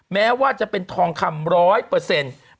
แม้ว่าจะเป็นทองคำร้อยเปอร์เซ็นต์